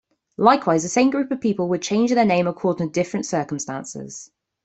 Likewise the same group of people would change their name according to different circumstances.